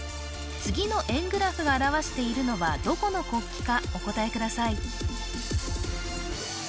次の円グラフが表しているのはどこの国旗かお答えください